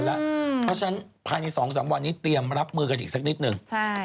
เพราะฉะนั้นภายใน๒๓วันนี้เตรียมรับมือกันอีกสักนิดนึง